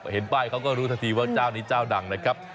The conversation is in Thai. เห็นป้ายเขาก็รู้ทันทีว่าเจ้านี้เจ้าดังนะครับ